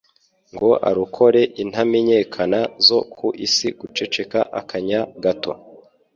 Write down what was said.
ngo arokore intamenyekana zo ku isi guceceka akanya gato